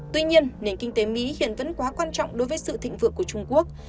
tuy nhiên nền kinh tế mỹ hiện vẫn quá quan trọng đối với sự thịnh vượng của trung quốc